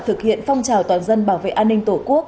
thực hiện phong trào toàn dân bảo vệ an ninh tổ quốc